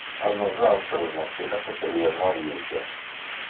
Anzenzaṛ n teɣẓint ilaq-as ad yernu ad yewsiε.